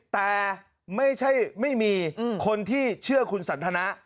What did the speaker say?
แต่ไม่มีคนที่เชื่อคุณสันธนะ